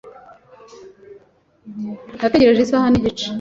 Nategereje isaha nigice.